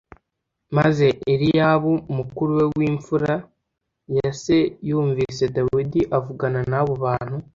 Maze Eliyabu mukuru we w’imfura ya se yumvise Dawidi avugana n’abo bantu